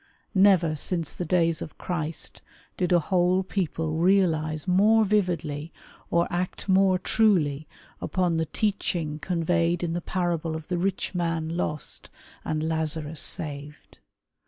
Never since the days of Christ did a whole people realize more vividly or act more truly upon the teaching conveyed in the parable of the rich man lost and Lazarus saved.